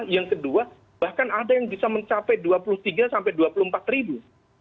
yang kedua bahkan ada yang bisa mencapai dua puluh tiga sampai dua puluh empat ribu